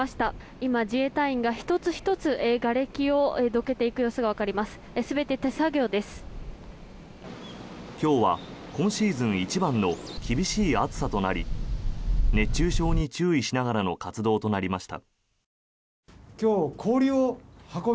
今日は今シーズン一番の厳しい暑さとなり熱中症に注意しながらの活動となりました。